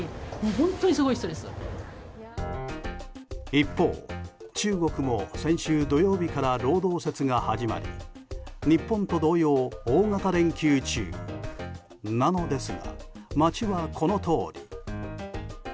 一方、中国も先週土曜日から労働節が始まり日本と同様大型連休中なのですが街はこのとおり。